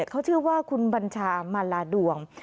เขาชื่อว่าคุณบัญชามาลาดวง